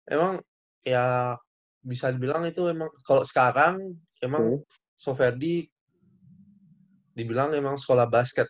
emang ya bisa dibilang itu emang kalau sekarang emang soferdi dibilang emang sekolah basket